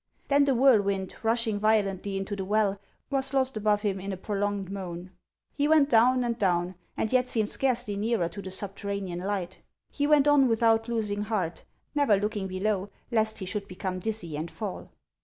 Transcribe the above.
Then the whirlwind, rushing violently into the 342 HANS OF ICELAND. well, was lost above him in a prolonged moan. He went down and down, and yet seemed scarcely nearer to the subterranean light. He went on without losing heart, never looking below lest he should become dizzy and fall.